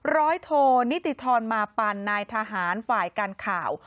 โทนิติธรมาปันนายทหารฝ่ายการข่าว